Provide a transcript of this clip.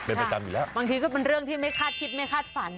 เป็นประจำอยู่แล้วบางทีก็เป็นเรื่องที่ไม่คาดคิดไม่คาดฝัน